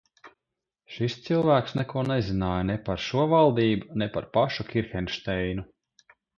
Šis cilvēks neko nezināja ne par šo valdību, ne par pašu Kirhenšteinu.